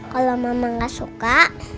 kalau mama gak suka